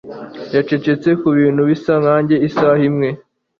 Yacecetse kubintu bisa nkanjye isaha imwe.